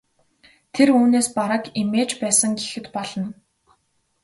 Тэр үүнээс бараг эмээж байсан гэхэд болно.